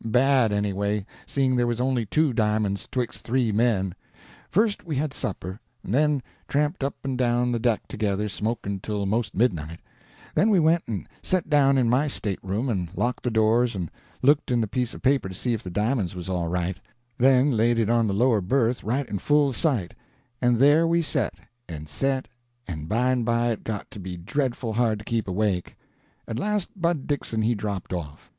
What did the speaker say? Bad anyway, seeing there was only two di'monds betwixt three men. First we had supper, and then tramped up and down the deck together smoking till most midnight; then we went and set down in my stateroom and locked the doors and looked in the piece of paper to see if the di'monds was all right, then laid it on the lower berth right in full sight; and there we set, and set, and by and by it got to be dreadful hard to keep awake. At last Bud Dixon he dropped off.